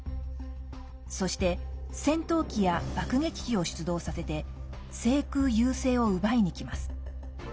そして、戦闘機や爆撃機を出動させて制空優勢を奪いにきます。